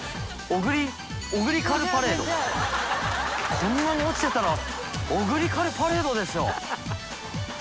こんなに落ちてたらオグリカルパレードでしょ。